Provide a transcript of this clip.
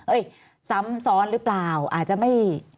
ซ้ำซ้อนหรือเปล่าอาจจะไม่